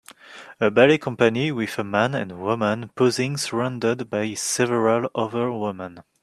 A ballet company with a man and woman posing surrounded by several other women.